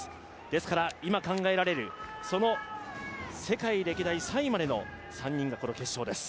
ですから今考えられる世界歴代３位までの３人がこの決勝です。